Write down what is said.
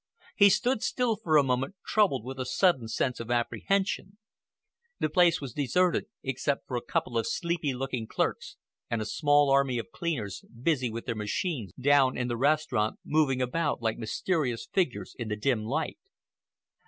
He stood still for a moment, troubled with a sudden sense of apprehension. The place was deserted except for a couple of sleepy looking clerks and a small army of cleaners busy with their machines down in the restaurant, moving about like mysterious figures in the dim light.